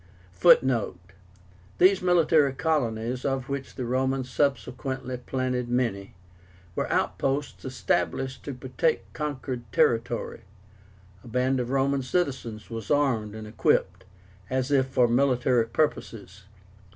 (Footnote: These military colonies, of which the Romans subsequently planted many, were outposts established to protect conquered territory. A band of Roman citizens was armed and equipped, as if for military purposes.